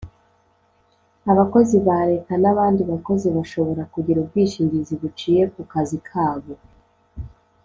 abakozi ba leta n’abandi bakozi bashobora kugira ubwishingizi buciye ku kazi kabo.